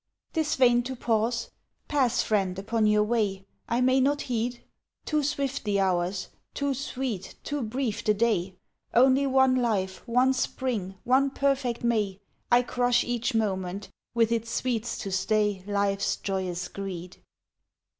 "'Tis vain to pause. Pass, friend, upon your way! I may not heed; Too swift the hours; too sweet, too brief the day: Only one life, one spring, one perfect May I crush each moment, with its sweets to stay Life's joyous greed!